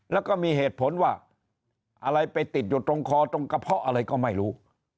แล้วก็มีเหตุผลว่าอะไรไปติดอยู่ตรงคอตรงกระเพาะอะไรก็ไม่รู้